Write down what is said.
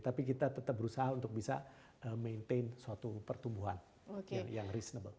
tapi kita tetap berusaha untuk bisa maintain suatu pertumbuhan yang reasonable